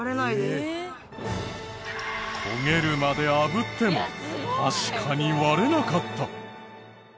焦げるまであぶっても確かに割れなかった。